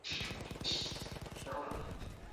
要尊重彼此对发展道路和社会制度的选择